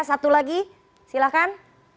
satu lagi silakan